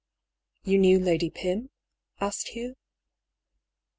You knew Lady Pym ?" asked Hugh.